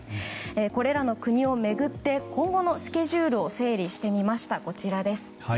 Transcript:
これらの国を巡って今後のスケジュールを整理してみました。